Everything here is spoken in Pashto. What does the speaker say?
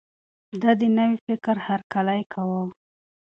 ده د نوي فکر هرکلی کاوه.